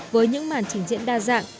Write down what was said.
với những màn trình diễn đa dạng